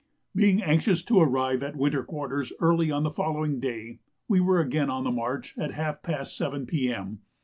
Being anxious to arrive at winter quarters early on the following day, we were again on the march at half past 7 P.M.